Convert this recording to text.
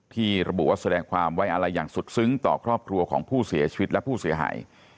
ที่ระบุว่าแสดงความไว้อะไรอย่างสุดซึ้งต่อครอบครัวของผู้เสียชีวิตและผู้เสียหาย